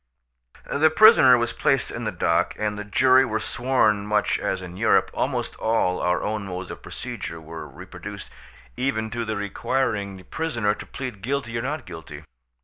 The prisoner was placed in the dock, and the jury were sworn much as in Europe; almost all our own modes of procedure were reproduced, even to the requiring the prisoner to plead guilty or not guilty.